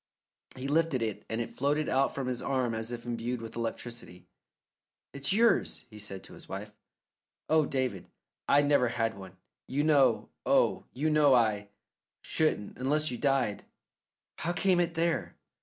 He lifted it, and it floated out from his arm as if imbued with electricity. "It's yours," he said to his wife. "Oh, David, I never had one. You know, oh, you know I shouldn't unless you died. How came it there?"